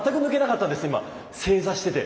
正座してて。